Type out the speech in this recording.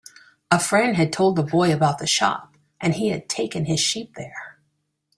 A friend had told the boy about the shop, and he had taken his sheep there.